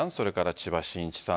千葉真一さん